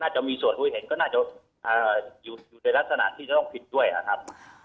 จะมีส่วนรู้เห็นก็น่าจะอยู่ในลักษณะที่จะต้องผิดด้วยนะครับ